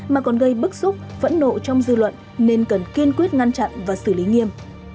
mà còn gây bức xúc phẫn nộ trong dư luận nên cần kiên quyết ngăn chặn và xử lý nghiêm